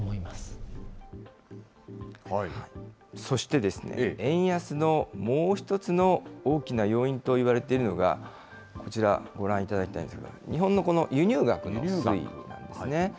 そして、円安のもう一つの大きな要因といわれているのが、こちら、ご覧いただきたいんですが、日本の輸入額の推移ですね。